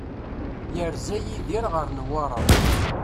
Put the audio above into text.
Yerza Yidir ɣer Newwara.